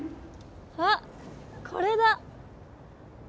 あこれだ！